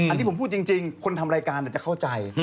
อันนี้ผมพูดจริงคนทำรายการจะเข้าใจ